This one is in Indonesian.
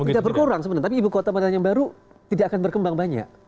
tidak berkurang sebenarnya tapi ibu kota kota yang baru tidak akan berkembang banyak